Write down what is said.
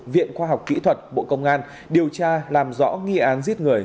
viện khoa học kỹ thuật bộ công an điều tra làm rõ nghi án giết người